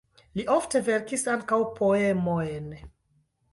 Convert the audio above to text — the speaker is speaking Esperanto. Li ofte verkis ankaŭ poemojn.